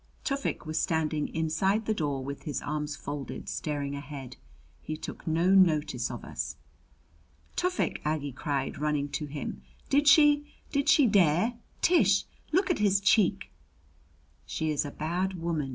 Tufik was standing inside the door with his arms folded, staring ahead. He took no notice of us. "Tufik!" Aggie cried, running to him. "Did she did she dare Tish, look at his cheek!" "She is a bad woman!"